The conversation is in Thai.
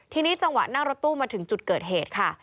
ทีนี้จังหวะนั่งรถตู้มาถึงจุดเกิดเหตุค่ะ